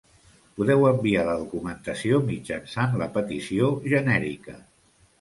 Podeu enviar la documentació mitjançant la petició genèrica.